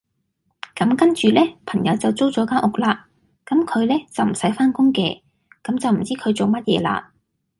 咁跟住呢，朋友就租咗間屋啦，咁佢呢，就唔使返工嘅，咁就唔知佢做乜嘢啦